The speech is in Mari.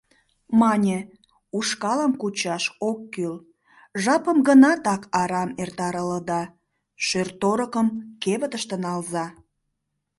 Мане: ушкалым кучаш ок кӱл, жапым гына так арам эртарылыда, шӧр-торыкым кевытыште налза.